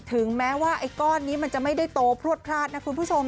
ถึงแม้ว่าไอ้ก้อนนี้มันจะไม่ได้โตพลวดพลาดนะคุณผู้ชม